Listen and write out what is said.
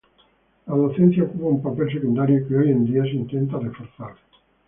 La docencia ocupa un papel secundario que hoy en día se intenta reforzar.